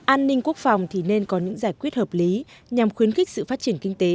an ninh quốc phòng thì nên có những giải quyết hợp lý nhằm khuyến khích sự phát triển kinh tế